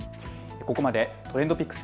ここまでＴｒｅｎｄＰｉｃｋｓ。